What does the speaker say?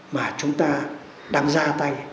mà chúng ta đang ra tay